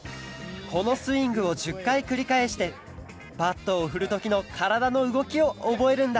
このスイングを１０かいくりかえしてバットをふるときのからだのうごきをおぼえるんだ！